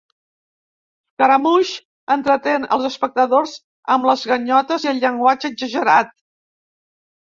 Scaramouche entretén els espectadors amb "les ganyotes i el llenguatge exagerat".